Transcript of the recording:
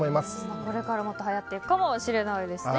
これからもっとはやっていくかもしれないです。